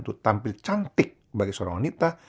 untuk tampil cantik bagi seorang wanita